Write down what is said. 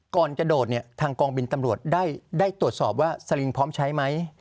ก่อนจะโดดเนี่ยทางกองบินตำรวจได้ตรวจสอบว่าสลิงพร้อมใช้ไหม